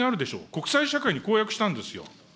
国際社会に公約したんですよ。